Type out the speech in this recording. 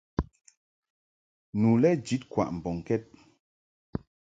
Nu lɛ jid kwaʼ mbɔŋkɛd.